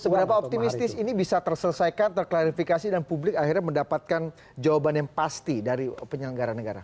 seberapa optimistis ini bisa terselesaikan terklarifikasi dan publik akhirnya mendapatkan jawaban yang pasti dari penyelenggara negara